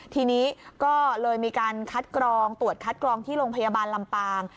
ทีนี้ก็เลยมีการคัดกรองตรวจคัดกรองที่โรงพยาบาลลำปาง